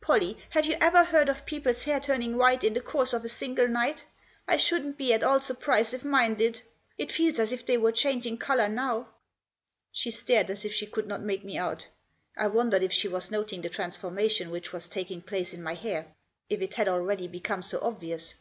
Pollie, have you ever heard of people's hair turning white in the course of a single night ? I shouldn't be at all surprised if mine did. It feels as if it were changing colour now." She stared as if she could not make me out. I wondered if she was noting the transformation which was taking place in my hair ; if it had already become so obvious.